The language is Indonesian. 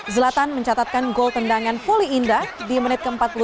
zlatan mencatatkan gol pendangan vuli indah di menit ke empat puluh tiga